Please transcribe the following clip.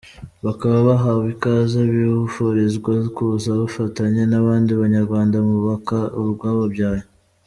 Bakaba bahawe ikaze, bifurizwa kuza gufatanya n’abandi Banyarwanda mu kubaka urwababyaye.